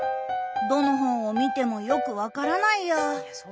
どの本を見てもよく分からないや。